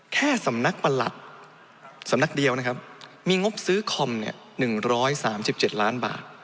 แค่สำนักประหลัดสำนักเดียวนะครับมีงบซื้อคอม๑๓๗ล้านบาท